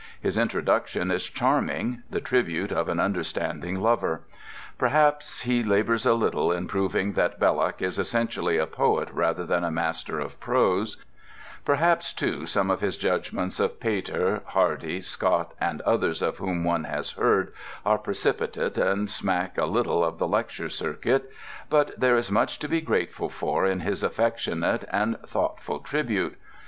[C] His introduction is charming: the tribute of an understanding lover. Perhaps he labours a little in proving that Belloc is essentially a poet rather than a master of prose; perhaps too some of his judgments of Pater, Hardy, Scott, and others of whom one has heard, are precipitate and smack a little of the lecture circuit: but there is much to be grateful for in his affectionate and thoughtful tribute.